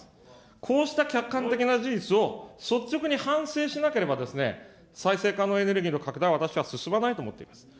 こうした客観的な事実を、率直に反省しなければ、再生可能エネルギーの拡大は私は進まないと思っています。